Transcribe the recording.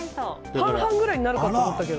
半々くらいになるかと思ったけど。